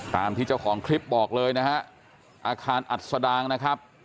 ตามที่เจ้าของคลิปบอกเลยนะฮะอาคารอัศดางนะครับ